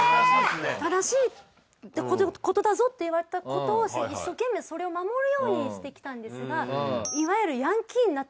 正しいことだぞって言われたことを一生懸命それを守るようにしてきたんですがいわゆる。